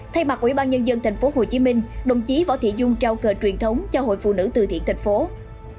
thay mặt ubnd tp hcm đồng chí võ thị dung trao cờ truyền thống cho hội phụ nữ từ thiện tp hcm